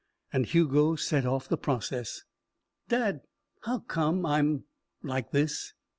And Hugo set off the process. "Dad, how come I'm like this?"